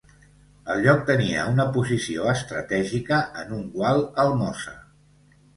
El lloc tenia una posició estratègica en un gual al Mosa.